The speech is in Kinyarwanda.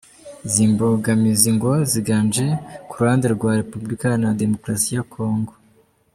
Izi mbogamizi ngo ziganje ku ruhande rwa Repubulika Iharanira Demokarasi ya Congo.